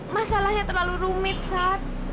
masalahnya terlalu rumit sar